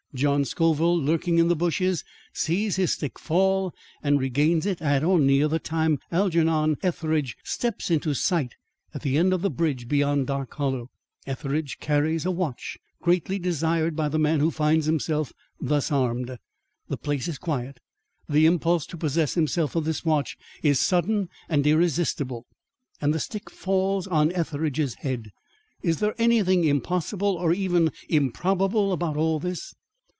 John Scoville, lurking in the bushes, sees his stick fall and regains it at or near the time Algernon Etheridge steps into sight at the end of the bridge beyond Dark Hollow. Etheridge carries a watch greatly desired by the man who finds himself thus armed. The place is quiet; the impulse to possess himself of this watch is sudden and irresistible, and the stick falls on Etheridge's head. Is there anything impossible or even improbable about all this?